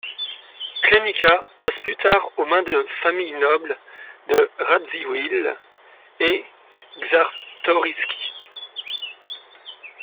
Klenica passe plus tard aux mains de familles nobles de Radziwiłł et Czartoryski.